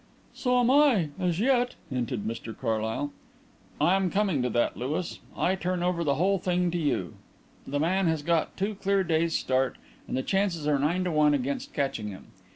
"So am I as yet," hinted Mr Carlyle. "I am coming to that, Louis. I turn over the whole thing to you. The man has got two clear days' start and the chances are nine to one against catching him.